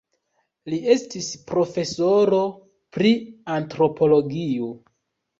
Li estis profesoro pri antropologio.